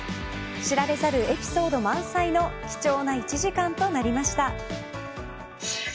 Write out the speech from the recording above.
知られざるエピソード満載の貴重な１時間となりました。